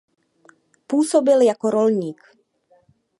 Působil jako rolník.